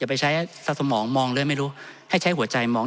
ไปใช้สมองมองเลยไม่รู้ให้ใช้หัวใจมอง